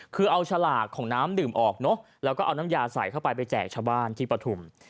คือเอาฉลากของน้ำดื่มออกเนอะแล้วก็เอาน้ำยาใส่เข้าไปไปแจกชาวบ้านที่ปฐุม